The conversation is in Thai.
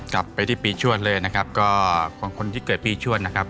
กลับไปที่ปีชวดเลยนะครับก็ของคนที่เกิดปีชวดนะครับ